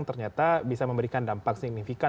ternyata bisa memberikan dampak signifikan